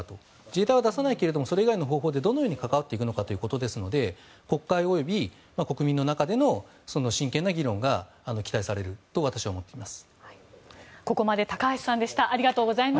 自衛隊は出さないけれどもそれ以外の方法でどのように関わっていくのかということですので国会及び国民の中での真剣な議論が期待されると私は思っています。